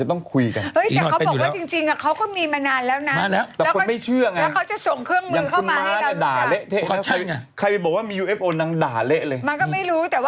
โอ้โหดีแล้วดีแล้ว